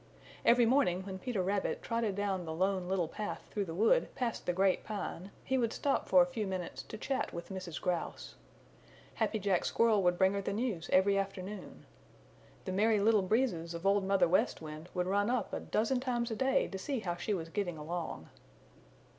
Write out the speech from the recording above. Every morning when Peter Rabbit trotted down the Lone Little Path through the wood past the Great Pine he would stop for a few minutes to chat with Mrs. Grouse. Happy Jack Squirrel would bring her the news every afternoon. The Merry Little Breezes of Old Mother West Wind would run up a dozen times a day to see how she was getting along.